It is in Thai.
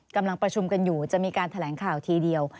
กำลังประชุมกันอยู่จะมีการแถลงข่าวทีเดียว